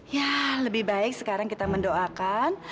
ya lebih baik sekarang kita mendoakan